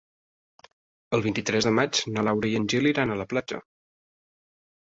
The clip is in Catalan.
El vint-i-tres de maig na Laura i en Gil iran a la platja.